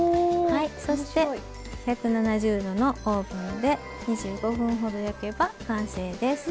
そして、１７０度のオーブンで２５分ほど焼けば完成です。